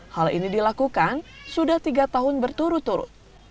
hal ini dilakukan sudah tiga tahun berturut turut